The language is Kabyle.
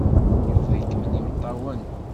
Yuba ikemmel imeṭṭawen.